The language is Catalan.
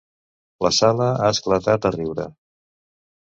La sala ha esclatat a riure.